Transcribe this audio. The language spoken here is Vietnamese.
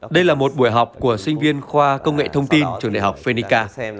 đây là một buổi học của sinh viên khoa công nghệ thông tin trường đại học phenica